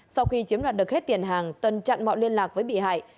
sau khi chiếm đoạt được hết tiền hàng tân chặn mọi liên lạc với bị hại